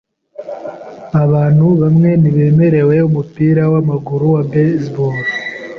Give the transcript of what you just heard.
Abantu bamwe ntibemera umupira wamaguru wa baseball.